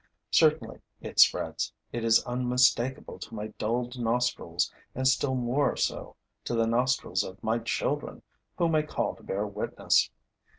Certainly it spreads: it is unmistakable to my dulled nostrils and still more so to the nostrils of my children, whom I call to bear witness.